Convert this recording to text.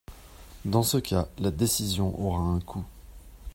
Dans ce cas, la décision aura un coût.